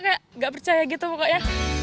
kayak nggak percaya gitu pokoknya